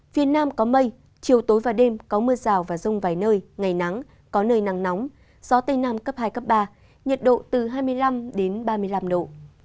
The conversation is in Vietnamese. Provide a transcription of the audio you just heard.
phía nam có mây chiều tối và đêm có mưa rào và rông vài nơi ngày nắng có nơi nắng nóng gió tây nam cấp hai cấp ba nhiệt độ từ hai mươi năm ba mươi năm độ